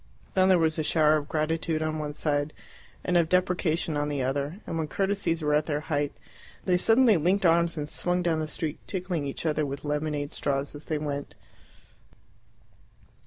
Then there was a shower of gratitude on one side and of deprecation on the other, and when courtesies were at their height they suddenly linked arms and swung down the street, tickling each other with lemonade straws as they went.